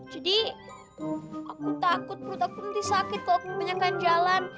jadi aku takut perut aku nanti sakit kalau aku penyekat jalan